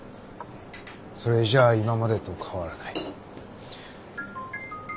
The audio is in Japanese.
それじゃ今までと変わらない。